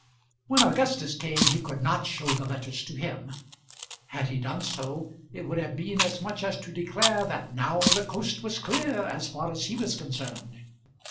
When Augustus came he could not show the letters to him. Had he done so it would have been as much as to declare that now the coast was clear as far as he was concerned.